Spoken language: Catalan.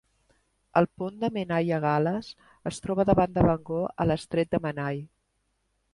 El pont de Menai a Gal·les es troba davant de Bangor a l'estret de Menai.